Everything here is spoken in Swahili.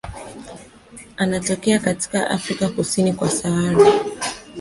Anatokea katika Afrika kusini kwa Sahara.